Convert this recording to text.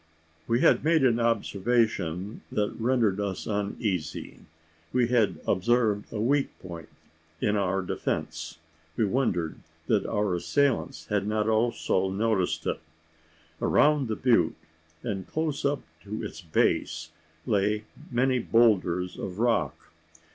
We had made an observation that rendered us uneasy: we had observed a weak point in our defence. We wondered that our assailants had not also noticed it. Around the butte, and close up to its base, lay many boulders of rock.